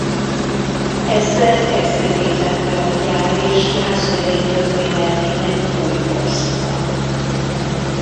Ezzel kezdetét vette a gyár és Jászberény történelmének új korszaka.